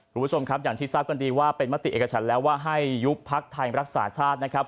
คุณผู้ชมครับอย่างที่ทราบกันดีว่าเป็นมติเอกฉันแล้วว่าให้ยุบพักไทยรักษาชาตินะครับ